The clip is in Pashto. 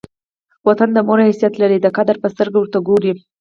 وطن د مور حیثیت لري؛ د قدر په سترګه ور ته ګورئ!